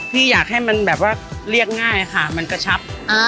พี่อยากให้มันแบบว่าเรียกง่ายค่ะมันกระชับ